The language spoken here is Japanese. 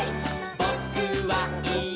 「ぼ・く・は・い・え！